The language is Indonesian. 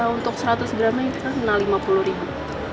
untuk seratus gramnya itu kan lima puluh ribu